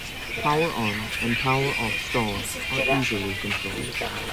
Power-on and power-off stalls are easily controlled.